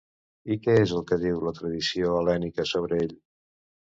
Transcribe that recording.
I què és el que diu la tradició hel·lènica sobre ell?